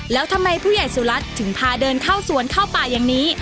แล้วทำไมผู้ใหญ่สุรัตน์ถึงพาเดินเข้าสวนเข้าป่าอย่างนี้